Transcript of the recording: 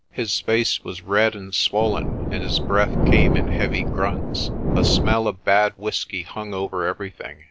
His face was red and swollen, and his breath came in heavy grunts. A smell of bad whisky hung over everything.